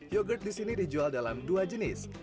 yogurt disini dijual dalam dua jenis